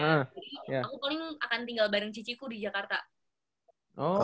jadi aku paling akan tinggal bareng ciciku di jakarta